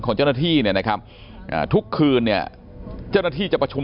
เจ้าหน้าที่เนี่ยนะครับทุกคืนเนี่ยเจ้าหน้าที่จะประชุม